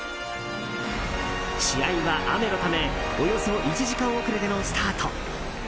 試合は雨のためおよそ１時間遅れでのスタート。